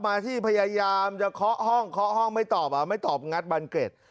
มาที่พยายามจะเคาะห้องเคาะห้องไม่ตอบไม่ตอบงัดบันเกร็ด